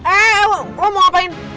eh eh eh lu mau ngapain